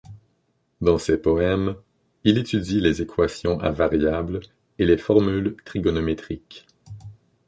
Dans ces poèmes, il étudie les équations à variables et les formules trigonométriques.